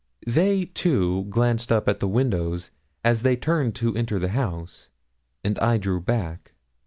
They, too, glanced up at the window as they turned to enter the house, and I drew back.